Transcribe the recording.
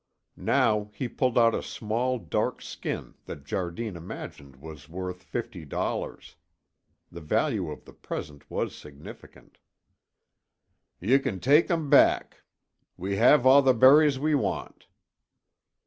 Now he pulled out a small dark skin that Jardine imagined was worth fifty dollars. The value of the present was significant. "Ye can tak' them back. We have a' the berries we want."